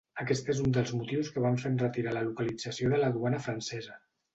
Aquest és un dels motius que van fer enretirar la localització de la duana francesa.